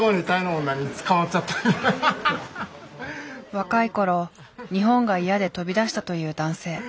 若い頃日本が嫌で飛び出したという男性。